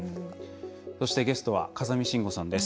そして、ゲストは風見しんごさんです。